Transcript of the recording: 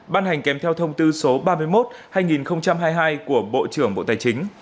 ban hành kèm theo thông tư số ba mươi một hai nghìn hai mươi hai của bộ trưởng bộ tài chính